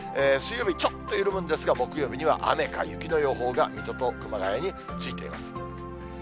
水曜日、ちょっと緩むんですが、木曜日には雨か雪の予報が、水戸と熊谷についています。